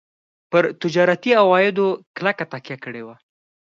پر تجارتي عوایدو کلکه تکیه کړې وه.